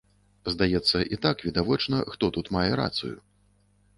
Здаецца, і так відавочна, хто тут мае рацыю.